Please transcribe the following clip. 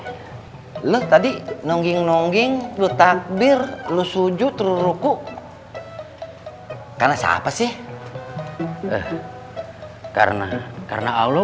boleh lo tadi nongging nongging lu takbir lu sujud ruku karena siapa sih karena karena allah